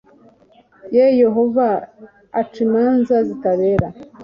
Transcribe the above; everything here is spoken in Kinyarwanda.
ye yehova aca imanza zitabera